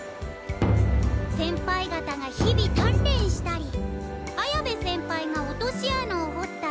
先輩方が日々たんれんしたり綾部先輩が落としあなをほったり。